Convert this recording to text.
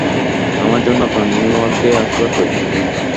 আমার জন্য আপনার নিউ ইয়র্কে আসবার প্রয়োজন নেই।